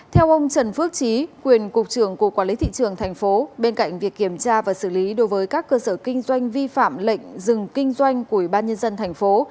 theo ông trần phước trí quyền cục trưởng cục quản lý thị trường tp hcm bên cạnh việc kiểm tra và xử lý đối với các cơ sở kinh doanh vi phạm lệnh dừng kinh doanh của ủy ban nhân dân thành phố